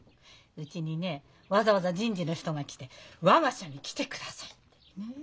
うちにねわざわざ人事の人が来て「我が社に来てください」ってねえ？